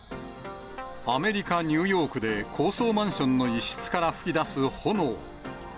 アメリカ・ニューヨークで、高層マンションの一室から噴き出す炎。